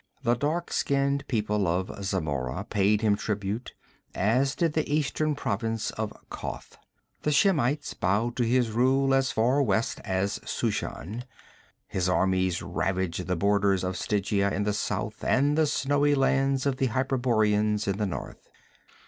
The dark skinned people of Zamora paid him tribute, as did the eastern provinces of Koth. The Shemites bowed to his rule as far west as Shushan. His armies ravaged the borders of Stygia in the south and the snowy lands of the Hyperboreans in the north.